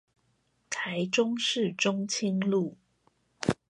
台中市中清路